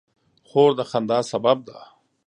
خور د خندا سبب ده.